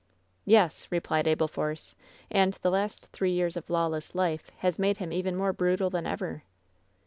^' "Yes," replied Abel Force, "and the last three years of lawless life has made him even more brutal than ever."